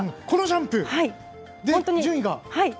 このジャンプで順位が。